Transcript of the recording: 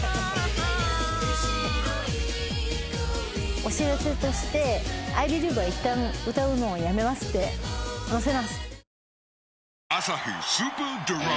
お知らせとして「『ＩＢＥＬＩＥＶＥ』はいったん歌うのをやめます」って載せます。